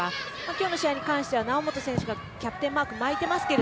今日の試合に関しては猶本選手がキャプテンマーク巻いていますが。